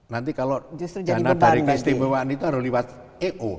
nanti kalau dana dari keistimewaan itu harus lewat eo